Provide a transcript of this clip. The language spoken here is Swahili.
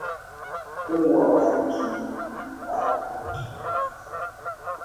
Mungu abariki bale bote beko na rima